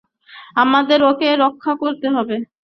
আমাদের ওকে রক্ষা করতে হবে।